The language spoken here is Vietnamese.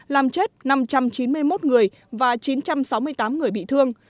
làm chết năm trăm chín mươi một người và chín trăm sáu mươi tám người bị thương